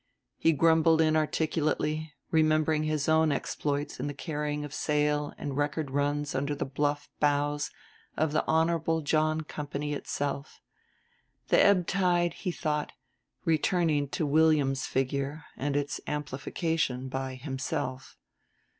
He grumbled inarticulately, remembering his own exploits in the carrying of sail and record runs under the bluff bows of the Honorable John Company itself. The ebb tide, he thought, returning to William's figure and its amplification by himself.